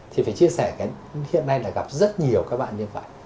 thì phải chia sẻ hiện nay gặp rất nhiều các bạn như vậy